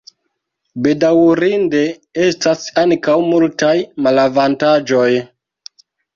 Bedaŭrinde estas ankaŭ multaj malavantaĝoj.